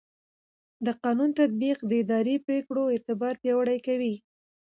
د قانون تطبیق د اداري پرېکړو اعتبار پیاوړی کوي.